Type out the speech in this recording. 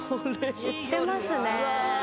言ってますね